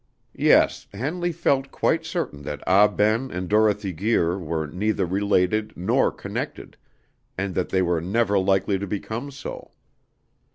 Yes, Henley felt quite certain that Ah Ben and Dorothy Guir were neither related nor connected, and that they were never likely to become so.